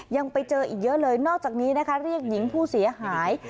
ยังไปเจออีกเยอะเลยนอกจากนี้นะคะเรียกหญิงผู้เสียหาย